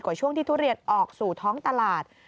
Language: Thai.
ช่วงที่ทุเรียนออกสู่ท้องตลาด